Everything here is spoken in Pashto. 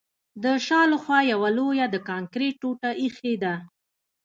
د شا له خوا یوه لویه د کانکریټ ټوټه ایښې ده